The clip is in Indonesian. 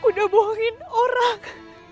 aku udah bohongin orang